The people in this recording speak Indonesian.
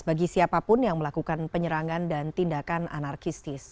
bagi siapapun yang melakukan penyerangan dan tindakan anarkistis